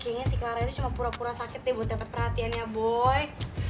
kayaknya si clara itu cuma pura pura sakit deh buat dapet perhatiannya boy